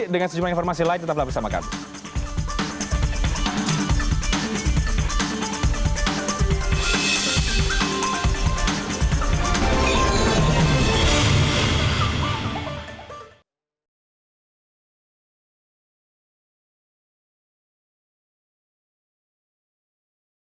dengan sejumlah informasi lain tetap bersama kami